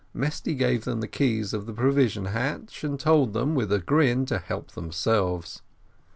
Mesty gave them the keys of the provision hatch, and told them, with a grin, to help themselves.